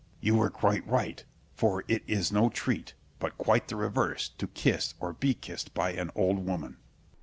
Scip. You were quite right, for it is no treat, but quite the reverse, to kiss or be kissed by an old woman.